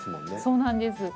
そうなんです。